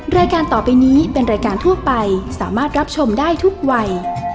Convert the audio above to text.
รายการต่อไปนี้เป็นรายการทั่วไปสามารถรับชมได้ทุกวัย